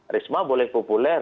risma boleh populer